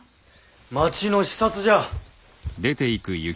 町の視察じゃ。